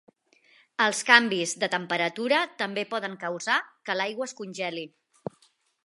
Els canvis de temperatura també poden causar que l'aigua es congeli.